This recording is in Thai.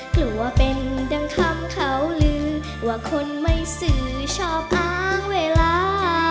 กลัวเป็นดังคำเขาลือว่าคนไม่สื่อชอบอ้างเวลา